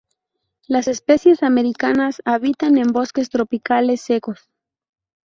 Las especies americanas habitan en bosques tropicales secos.